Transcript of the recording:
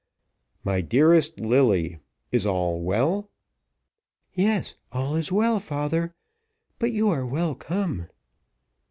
"My dearest Lilly, is all well?" "Yes, all is well, father; but you are well come."